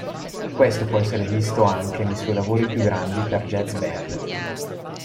Questo può essere visto anche nei suoi lavori più grandi per jazz band.